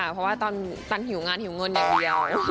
เพราะว่าตอนตันหิวงานหิวเงินอย่างเดียว